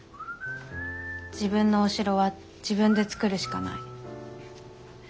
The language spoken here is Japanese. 自分のお城は自分で作るしかない。